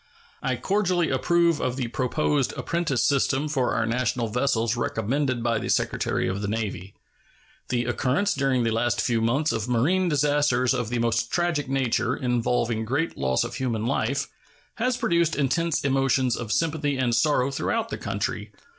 I cordially approve of the proposed apprentice system for our national vessels recommended by the Secretary of the Navy. The occurrence during the last few months of marine disasters of the most tragic nature, involving great loss of human life, has produced intense emotions of sympathy and sorrow throughout the country.